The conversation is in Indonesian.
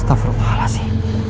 kau selamat rai